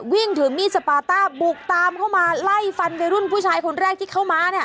วิ่งถือมีดสปาต้าบุกตามเข้ามาไล่ฟันวัยรุ่นผู้ชายคนแรกที่เข้ามาเนี่ย